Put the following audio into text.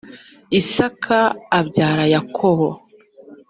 isaka abyara yakobo.